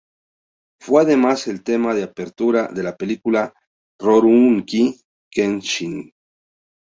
Fue además el tema de apertura de la película Rurouni Kenshin.